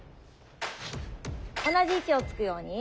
５同じ位置を突くように。